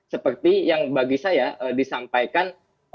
seperti yang bagi saya disampaikan